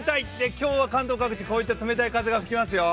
今日は関東各地、こういった冷たい風が吹きますよ。